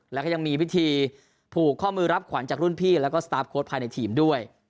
แล้วก็ยังมีพิธีผูกข้อมือรับขวัญจากรุ่นพี่แล้วก็สตาร์ฟโค้ดภายในทีมด้วย